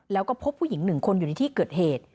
แล้วก็พบผู้หญิง๑คนอยู่ในที่เกิดเหตุ